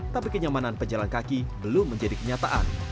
tapi kenyamanan pejalan kaki belum menjadi kenyataan